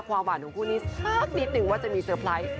ความหวานของคู่นี้สักนิดนึงว่าจะมีเซอร์ไพรส์